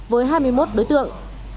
với hai mươi một đối tượng